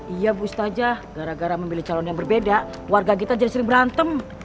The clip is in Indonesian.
iya bustaja gara gara memilih calon yang berbeda warga kita jadi sering berantem